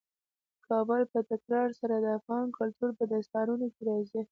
کابل په تکرار سره د افغان کلتور په داستانونو کې راځي.